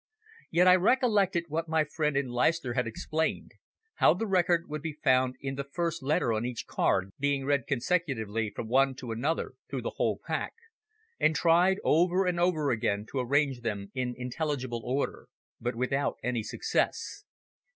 Yet I recollected what my friend in Leicester had explained, how the record would be found in the first letter on each card being read consecutively from one to another through the whole pack, and tried over and over again to arrange them in intelligible order, but without any success.